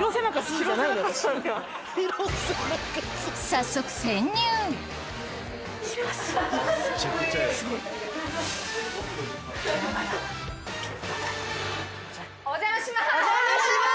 早速お邪魔します。